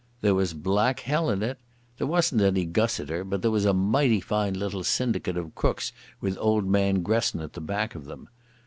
"There was black hell in it. There wasn't any Gussiter, but there was a mighty fine little syndicate of crooks with old man Gresson at the back of them.